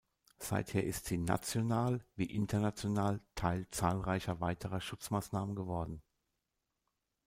Seither ist sie national wie international Teil zahlreicher weiterer Schutzmaßnahmen geworden.